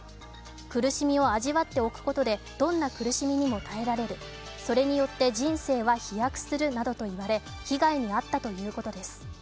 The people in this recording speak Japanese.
苦しみを味わっておくことでどんな苦しみにも耐えられる、それによって人生は飛躍するなどと言われ、被害に遭ったということです。